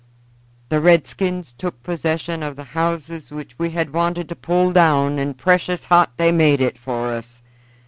"The redskins took possession of the houses which we had wanted to pull down, and precious hot they made it for us.